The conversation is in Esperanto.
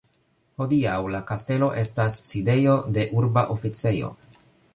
Hodiaŭ la kastelo estas sidejo de urba oficejo.